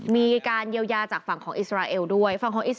มีการเยียวยาจากฝั่งของอิสราเอลด้วย